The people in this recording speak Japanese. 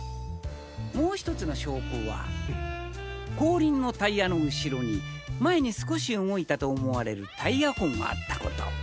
もう１つの証拠は後輪のタイヤの後ろに前に少し動いたと思われるタイヤ痕があったこと。